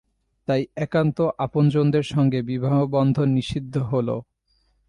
তাই একান্ত আপনজনদের সঙ্গে বিবাহবন্ধন নিষিদ্ধ হলো।